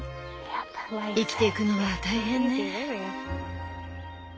生きていくのは大変ね。